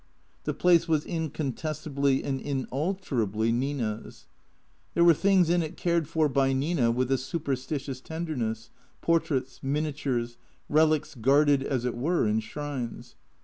The place was incontestably and inalterably Nina's. There were things in it cared for by Nina with a superstitious tenderness, portraits, miniatures, relics guarded, as it were, in shrines.